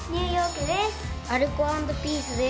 アルコ＆ピースです。